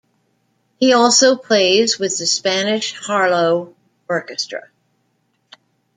He also plays with the Spanish Harlow Orchestra.